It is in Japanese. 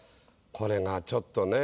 これがちょっとね。